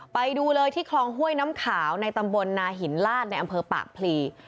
ไปดูเลยที่คลองห้วยน้ำขาวในตำบลนาหินลาดในอำเภอปากพลี